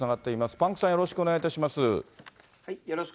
パンクさん、よろしくお願いいたします。